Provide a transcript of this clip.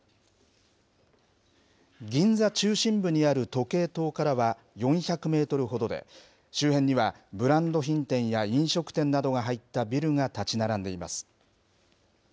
銀座中心部にある時計塔からは４００メートルほどで、周辺にはブランド品店や飲食店などが入ったビルが建ち並んでいます。